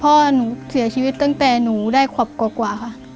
พ่อหนูเสียชีวิตตั้งแต่หนูได้ขวบกว่าค่ะ